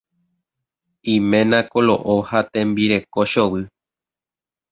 Iména koloʼo ha tembireko chovy.